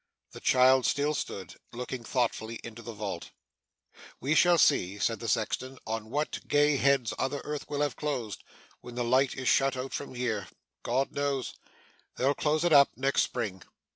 The child still stood, looking thoughtfully into the vault. 'We shall see,' said the sexton, 'on what gay heads other earth will have closed, when the light is shut out from here. God knows! They'll close it up, next spring.